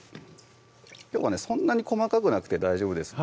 そんなに細かくなくて大丈夫です